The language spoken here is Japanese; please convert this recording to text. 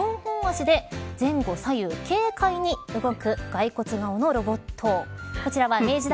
こちら四本足で前後左右軽快に動く骸骨顔のロボット。